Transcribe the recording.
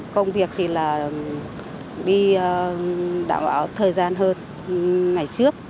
công việc thì là đi đảm bảo thời gian hơn ngày trước